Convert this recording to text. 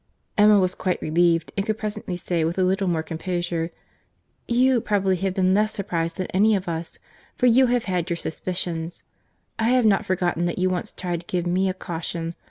Emma was quite relieved, and could presently say, with a little more composure, "You probably have been less surprized than any of us, for you have had your suspicions.—I have not forgotten that you once tried to give me a caution.